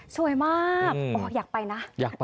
สวยมากอยากไปนะ